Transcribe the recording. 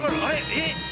えっ？